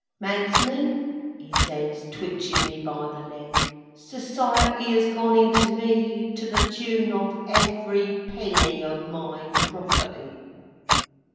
"Magsman," he says, twitchin me by the leg, "Society has gone into me, to the tune of every penny of my property."